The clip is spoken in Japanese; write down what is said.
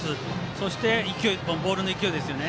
そして、ボールの勢いですよね。